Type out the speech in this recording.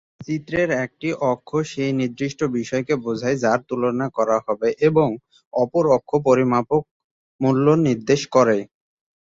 চিত্রের একটি অক্ষ সেই নির্দিষ্ট বিষয়কে বোঝায় যার তুলনা করা হবে, এবং অপর অক্ষ পরিমাপক মূল্য নির্দেশ করে।